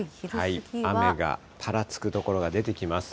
雨がぱらつく所が出てきます。